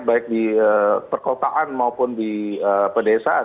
baik di perkotaan maupun di pedesaan